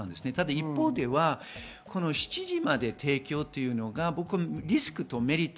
一方で７時まで提供というのがリスクとメリット